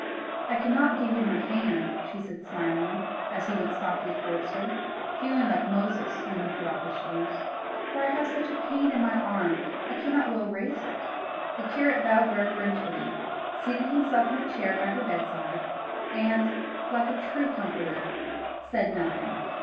"I cannot give you my hand," she said smiling, as he went softly towards her, feeling like Moses when he put off his shoes, "for I have such a pain in my arm, I cannot well raise it." The curate bowed reverentially, seated himself in a chair by her bedside, and, like a true comforter, said nothing.